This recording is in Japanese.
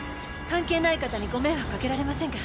関係ない方にご迷惑かけられませんから。